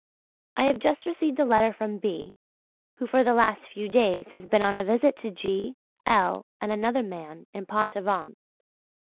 I have just received a letter from B., who for the last few days has been on a visit to G., L., and another man in Pont Aven.